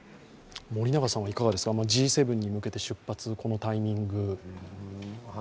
森永さんはいかがですか、Ｇ７に向けて出発、このタイミング。